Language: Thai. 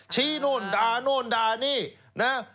ชี้โน่นดานี่นะ